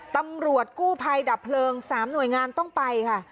ตำรวจกู้ภัยดับเพลิง๓หน่วยงานต้องไปค่ะ